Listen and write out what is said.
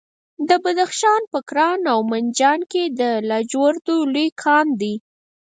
د بدخشان په کران او منجان کې د لاجوردو لوی کان دی.